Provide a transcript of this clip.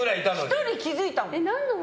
１人気づいたもん。